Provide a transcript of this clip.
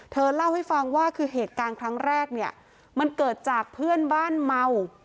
เธอเล่าให้ฟังว่าคือเหตุการณ์ครั้งแรกเนี่ยมันเกิดจากเพื่อนบ้านเมา